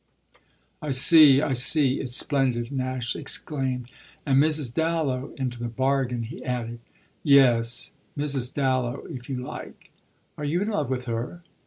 "I see, I see. It's splendid!" Nash exclaimed. "And Mrs. Dallow into the bargain," he added. "Yes, Mrs. Dallow if you like." "Are you in love with her?"